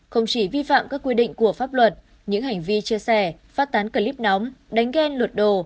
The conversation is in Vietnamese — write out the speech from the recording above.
không chỉ vi phạm các quy định của pháp luật những hành vi chia sẻ phát tán clip nóng đánh ghen luột đồ